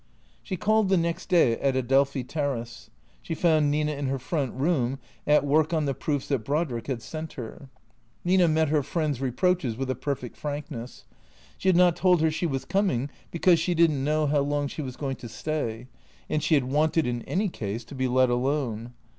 She called the next day at Adelphi Terrace. She found Nina in her front room, at work on the proofs that Brodrick had sent her. Nina met her friend's reproaches with a perfect frankness. She had not told her she was coming, because she did n't know how long she was going to stay, and she had wanted, in any case, to be let alone.